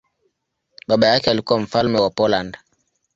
Baba yake alikuwa mfalme wa Poland.